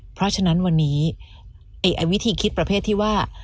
เพราะฉะนั้นวันนี้วิธีคิดประเภทที่ว่า